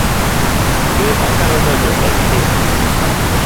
Be anyalo donjo e kanisa?